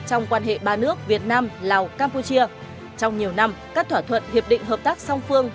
trong quan hệ ba nước việt nam lào campuchia trong nhiều năm các thỏa thuận hiệp định hợp tác song phương